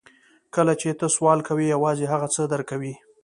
کله چې ته سوال کوې یوازې هغه څه درکوي